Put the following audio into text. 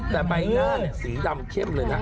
แต่ใบหน้าสีดำเข้มเลยนะ